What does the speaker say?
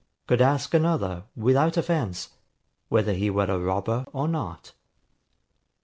], could ask another, without offence, whether he were a robber or not.